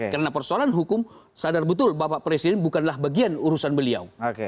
karena persoalan hukum sadar betul bapak presiden bukanlah bagian urusan beliau